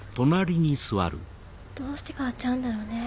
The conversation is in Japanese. どうして変わっちゃうんだろうね。